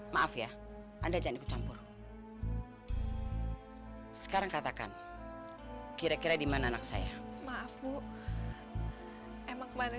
maaf ya anda jangan ikut campur sekarang katakan kira kira dimana anak saya maaf bu emang kemarin